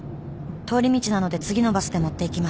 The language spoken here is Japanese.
「通り道なので次のバスで持っていきます」